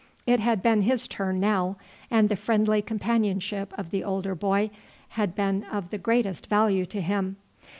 It had been his turn now, and the friendly companionship of the elder boy had been of the greatest value to him.